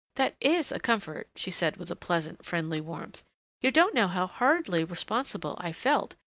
"That is a comfort," she said with pleasant, friendly warmth. "You don't know how horridly responsible I felt!